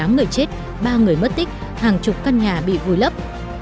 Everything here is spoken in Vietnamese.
một mươi tám người chết ba người mất tích hàng chục căn nhà bị vùi lấp